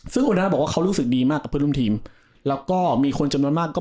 ซึ่งคุณธน้าบอกว่าเขารู้สึกดีมากกับเพื่อนร่วมทีมแล้วก็มีคนจำนวนมากก็